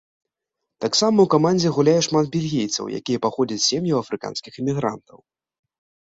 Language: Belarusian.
Таксама ў камандзе гуляе шмат бельгійцаў, які паходзяць з сем'яў афрыканскіх імігрантаў.